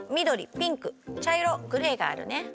ピンクちゃいろグレーがあるね。